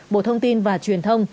một mươi ba bộ thông tin và truyền thông